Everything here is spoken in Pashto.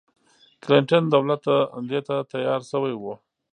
کلنټن دولت دې ته تیار شوی و.